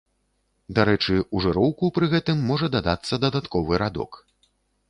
Дарэчы, у жыроўку пры гэтым можа дадацца дадатковы радок.